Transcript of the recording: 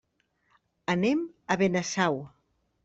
Anem a Benasau.